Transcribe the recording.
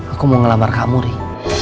aku mau ngelamar kamu ri